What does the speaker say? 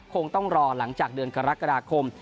คงต้องรอหลังจากเดือนกรกฎาคม